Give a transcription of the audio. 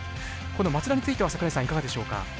この松田については櫻井さん、いかがでしょうか。